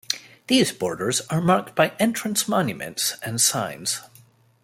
These borders are marked by entrance monuments and signs.